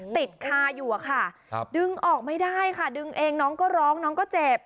ติดคาอยู่อะค่ะดึงออกไม่ได้ค่ะดึงเองน้องก็ร้องน้องก็เจ็บ